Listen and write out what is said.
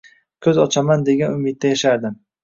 Ko‘z ochaman degan umidda yashardim.